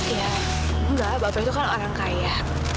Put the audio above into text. ya enggak bapak itu kan orang kaya